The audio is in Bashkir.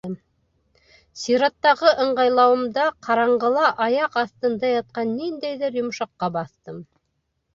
Сираттағы ыңғайлауымда ҡараңғыла аяҡ аҫтында ятҡан ниндәйҙер йомшаҡҡа баҫтым.